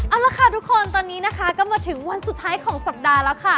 เอาละค่ะทุกคนตอนนี้นะคะก็มาถึงวันสุดท้ายของสัปดาห์แล้วค่ะ